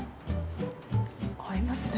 合いますね。